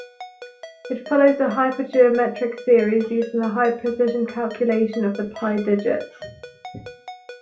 It follows a hypergeometric series used in the high-precision calculation of the pi digits.